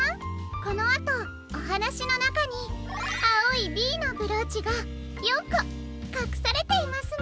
このあとおはなしのなかにあおい「Ｂ」のブローチが４こかくされていますの。